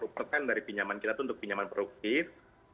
sepuluh persen dari pinjaman kita itu untuk pinjaman produktif